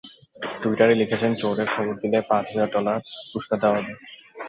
টুইটারে লিখেছেন, চোরের খবর দিলে পাঁচ হাজার ডলার পুরস্কার দেওয়া হবে।